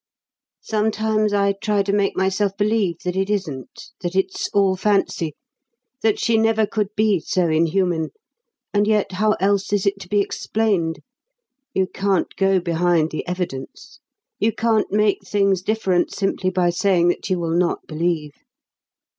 "Sometimes I try to make myself believe that it isn't, that it's all fancy, that she never could be so inhuman, and yet how else is it to be explained? You can't go behind the evidence; you can't make things different simply by saying that you will not believe."